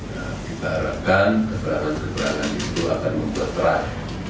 kita harapkan keberangan keberangan itu akan memperterai